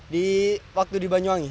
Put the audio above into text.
di waktu di banyuwangi